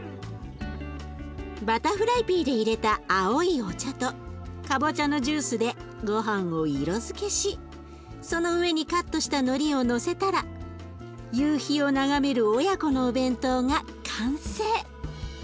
バタフライピーでいれた青いお茶とかぼちゃのジュースでごはんを色づけしその上にカットしたのりをのせたら夕日を眺める親子のお弁当が完成。